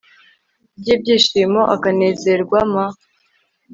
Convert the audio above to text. ry ibyishimo akanezerwa m